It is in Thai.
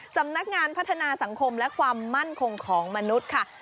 สำนักงานพัฒนาสังคมและความมั่นคงของมนุษย์ค่ะ